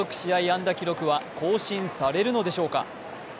安打記録は更新されるのでしょうか。